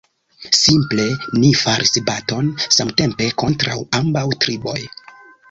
Simple ni faris baton samtempe kontraŭ ambaŭ triboj.